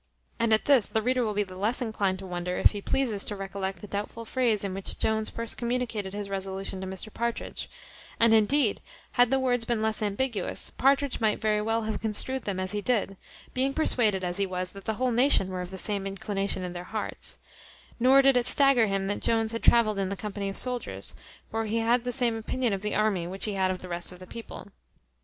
And at this the reader will be the less inclined to wonder, if he pleases to recollect the doubtful phrase in which Jones first communicated his resolution to Mr Partridge; and, indeed, had the words been less ambiguous, Partridge might very well have construed them as he did; being persuaded as he was that the whole nation were of the same inclination in their hearts; nor did it stagger him that Jones had travelled in the company of soldiers; for he had the same opinion of the army which he had of the rest of the people.